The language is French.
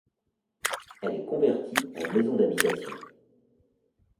Elle est convertie en maison d'habitation.